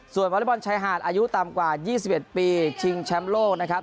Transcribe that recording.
วอเล็กบอลชายหาดอายุต่ำกว่า๒๑ปีชิงแชมป์โลกนะครับ